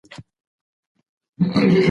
د وینو شېلې به بهېدلې.